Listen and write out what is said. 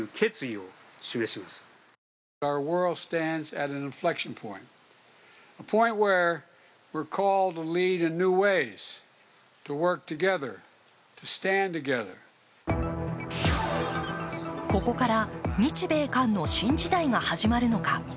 そこに現れた３人ここから日米韓の新時代が始まるのか。